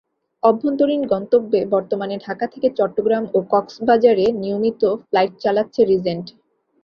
অভ্যন্তরীণ গন্তব্যে বর্তমানে ঢাকা থেকে চট্টগ্রাম ও কক্সবাজারে নিয়মিত ফ্লাইট চালাচ্ছে রিজেন্ট।